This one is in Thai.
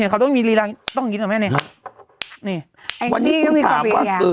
เห็นเขาต้องมีรีลังต้องกินก่อนแม่เนี้ยนี่วันนี้คุณถามว่าเออ